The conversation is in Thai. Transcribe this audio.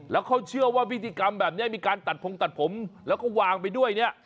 แล้วเขาเชื่อว่าพิธีกรรมแบบนี้มีการตัดพงตัดผมแล้วก็วางไปด้วยเนี่ย